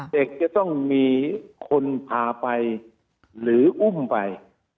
เด็กจะต้องมีคนพาไปหรืออุ้มไป